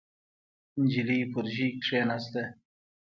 نجلۍ پر ژۍ کېناسته.